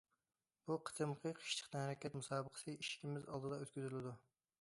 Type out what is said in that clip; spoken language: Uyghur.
بۇ قېتىمقى قىشلىق تەنھەرىكەت مۇسابىقىسى ئىشىكىمىز ئالدىدا ئۆتكۈزۈلىدۇ.